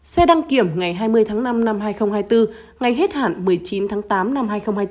xe đăng kiểm ngày hai mươi tháng năm năm hai nghìn hai mươi bốn ngay hết hạn một mươi chín tháng tám năm hai nghìn hai mươi bốn